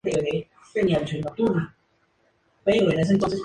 Su amigo no.